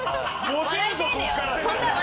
モテるぞここから。